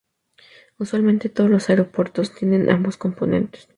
Usualmente todos los aeropuertos tienen ambos componentes.